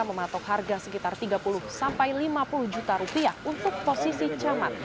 mematok harga sekitar tiga puluh sampai lima puluh juta rupiah untuk posisi camat